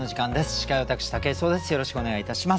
司会は私武井壮です。